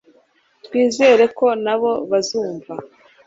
twizere ko, nabo bazumva